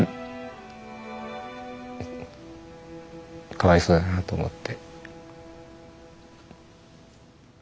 かわいそうだなと思って。